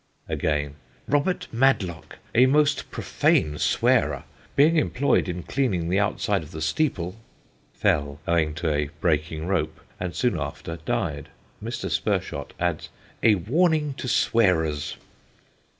Again: "Robt. Madlock, a most Prophane Swarer, being Employ'd in Cleaning the outside of the Steeple," fell, owing to a breaking rope, and soon after died. Mr. Spershott adds: "A warning to Swarers."